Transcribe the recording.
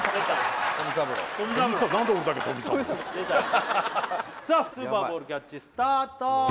何で俺だけ富三郎さあスーパーボールキャッチスタート